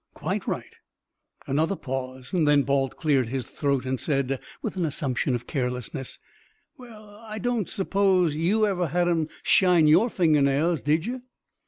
"Quite right!" Another pause, then Balt cleared his throat and said, with an assumption of carelessness: "Well, I don't suppose you ever had 'em shine your finger nails, did you?"